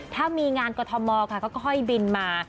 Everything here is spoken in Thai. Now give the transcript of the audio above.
ถ้ามีงานกรทมค่ะก็ค่อยบินมา